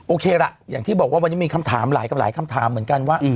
โอเคล่ะอย่างที่บอกว่าวันนี้มีคำถามหลายกับหลายคำถามเหมือนกันว่า